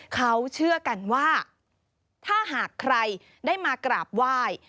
เขาเชื่อกันว่าถ้าหากใครได้มากราบไหว้